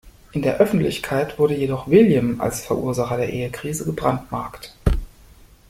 In der Öffentlichkeit wurde jedoch William als Verursacher der Ehekrise gebrandmarkt.